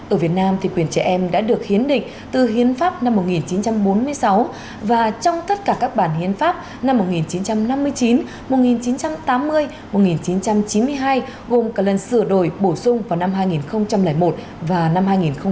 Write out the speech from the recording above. ở việt nam thì quyền trẻ em đã được hiến định từ hiến pháp năm một nghìn chín trăm bốn mươi sáu và trong tất cả các bản hiến pháp năm một nghìn chín trăm năm mươi chín một nghìn chín trăm tám mươi một nghìn chín trăm chín mươi hai gồm cả lần sửa đổi bổ sung vào năm hai nghìn một và năm hai nghìn một mươi